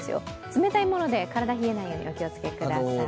冷たいもので体冷えないようにお気をつけください。